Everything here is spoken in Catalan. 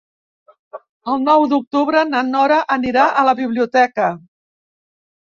El nou d'octubre na Nora anirà a la biblioteca.